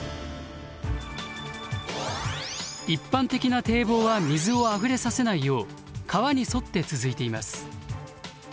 一般的な堤防は水をあふれさせないよう川に沿って続いています。